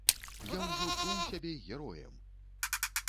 Я ўжо чуў сябе героем!